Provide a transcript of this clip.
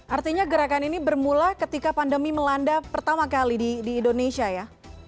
artinya gerakan ini bermula ketika pandemi melanda pertama kali di indonesia ya